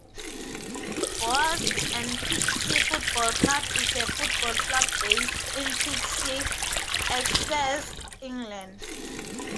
Bowers and Pitsea Football Club is a football club based in Pitsea, Essex, England.